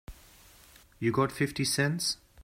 You got fifty cents?